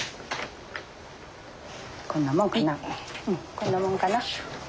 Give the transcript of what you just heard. こんなもんかな。